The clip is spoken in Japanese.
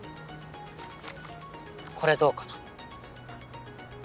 これどうかな？